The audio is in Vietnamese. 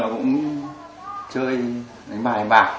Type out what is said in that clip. cũng chơi đánh bạc đánh bạc